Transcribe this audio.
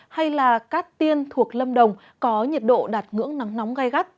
hay là cát tiên thuộc lâm đồng có nhiệt độ đạt ngưỡng nắng nóng gai gắt